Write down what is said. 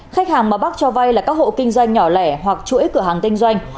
khách hàng mà bác cho vai là các hộ kinh doanh nhỏ lẻ hoặc chuỗi cửa hàng kinh doanh